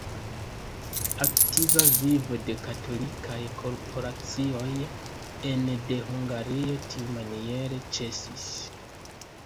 Aktiva vivo de katolikaj korporacioj ene de Hungario tiumaniere ĉesis.